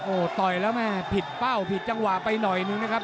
โอ้โหต่อยแล้วแม่ผิดเป้าผิดจังหวะไปหน่อยนึงนะครับ